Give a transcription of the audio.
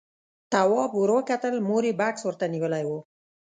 تواب ور وکتل، مور يې بکس ورته نيولی و.